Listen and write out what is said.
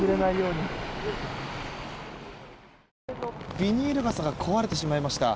ビニール傘が壊れてしまいました。